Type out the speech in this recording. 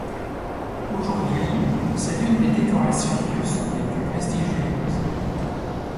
Aujourd’hui, c’est l'une des décorations russes les plus prestigieuses.